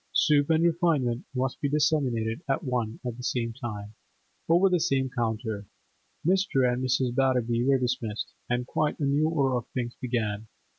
Soup and refinement must be disseminated at one and the same time, over the same counter. Mr. and Mrs. Batterby were dismissed, and quite a new order of things began.